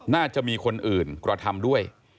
น่าจะมีคนอื่นกระทำด้วย